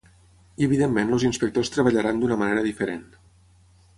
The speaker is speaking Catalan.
I evidentment els inspectors treballaran d’una manera diferent.